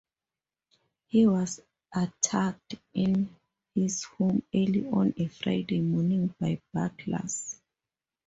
He was attacked in his home early on a Friday morning by burglars.